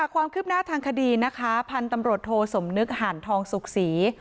ความคิบหน้าทางคดีพันธ์ตำรวจโทสมนึกหันทองศุกษี